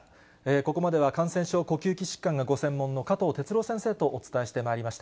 ここまでは感染症、呼吸器疾患がご専門の加藤哲朗先生とお伝えしてまいりました。